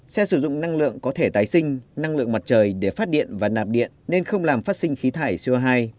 xe sử dụng năng lượng có thể tái sinh năng lượng mặt trời để phát điện và nạp điện nên không làm phát sinh khí thải co hai